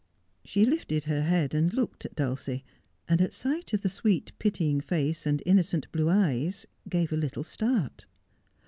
She lifted her head and looked at Dulcie, and at sight of the sweet, pitying face, and innocent blue eyes, gave a little start.